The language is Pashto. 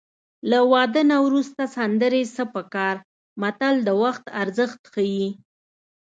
له واده نه وروسته سندرې څه په کار متل د وخت ارزښت ښيي